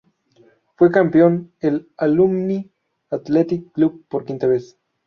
Fue campeón el Alumni Athletic Club, por quinta vez.